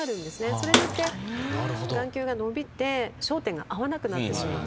それによって眼球が伸びて焦点が合わなくなってしまう。